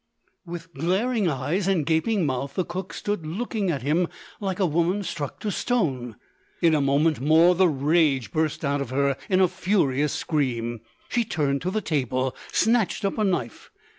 With glaring eyes and gaping mouth, the cook stood looking at him, like a woman struck to stone. In a moment more, the rage burst out of her in a furious scream. She turned to the table, and snatched up a knife.